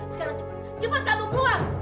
sekarang cepat kamu keluar